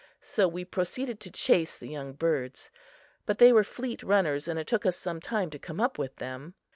So we proceeded to chase the young birds; but they were fleet runners and it took us some time to come up with them.